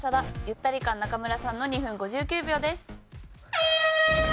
ゆったり感中村さんの２分５９秒です。